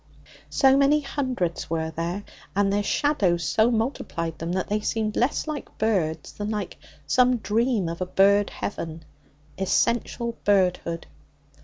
So many hundreds were there, and their shadows so multiplied them, that they seemed less like birds than like some dream of a bird heaven essential birdhood.